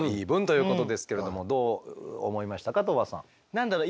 何だろう